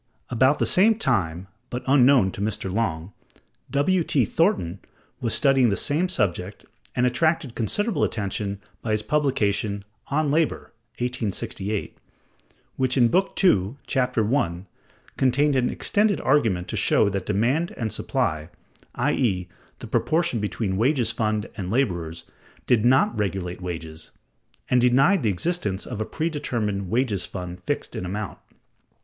About the same time (but unknown to Mr. Longe), W. T. Thornton was studying the same subject, and attracted considerable attention by his publication, "On Labor" (1868), which in Book II, Chap. I, contained an extended argument to show that demand and supply (i.e., the proportion between wages fund and laborers) did not regulate wages, and denied the existence of a predetermined wages fund fixed in amount.